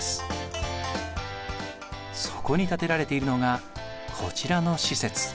そこに建てられているのがこちらの施設。